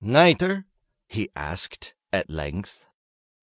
"Nitre?" he asked, at length.